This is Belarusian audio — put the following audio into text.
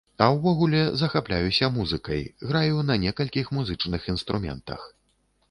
А ўвогуле, захапляюся музыкай, граю на некалькіх музычных інструментах.